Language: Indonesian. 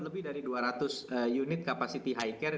lebih dari dua ratus unit capacity high care